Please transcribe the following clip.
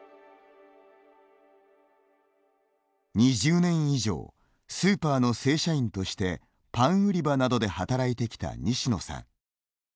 ２０年以上スーパーの正社員としてパン売り場などで働いてきた西野さん。